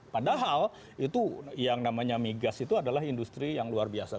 padahal itu yang namanya migas itu adalah industri yang luar biasa